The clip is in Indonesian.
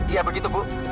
iya begitu bu